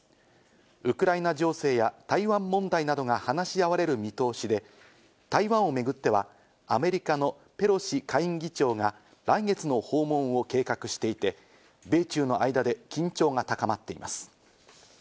ウクライナ情勢は台湾問題などが話し合われる見通しで、台湾をめぐってはアメリカのペロシ下院議長が来月の訪問を計画していて、米中の間で緊張が高まっています。